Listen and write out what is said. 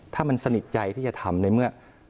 ถ้ามันสนิทใจที่จะทำในเมื่อ